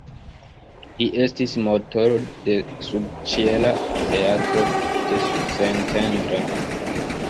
Li estis motoro de subĉiela teatro de Szentendre.